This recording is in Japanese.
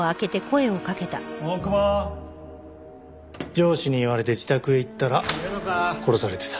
上司に言われて自宅へ行ったら殺されてた。